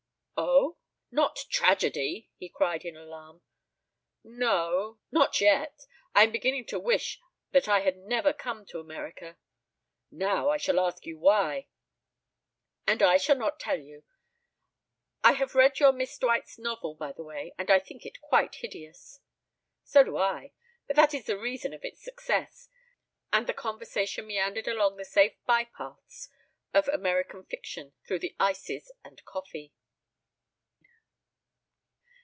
"Oh! Not tragedy?" he cried in alarm. "No not yet. Not yet! ... I am beginning to wish that I had never come to America." "Now I shall ask you why." "And I shall not tell you. I have read your Miss Dwight's novel, by the way, and think it quite hideous." "So do I. But that is the reason of its success." And the conversation meandered along the safe bypaths of American fiction through the ices and coffee.